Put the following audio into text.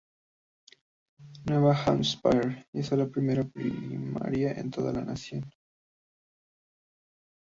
Nueva Hampshire hizo la primera primaria en toda la nación.